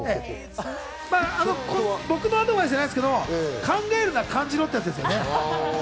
僕のアドバイスじゃないですけど、考えるな、感じろってやつです。